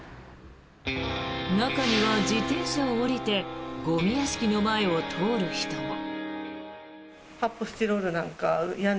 中には自転車を降りてゴミ屋敷の前を通る人も。